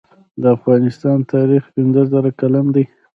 د افغانستان تاریخ پنځه زره کلن دی